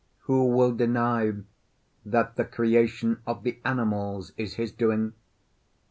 Who will deny that the creation of the animals is his doing?